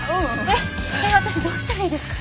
えっ私どうしたらいいですか？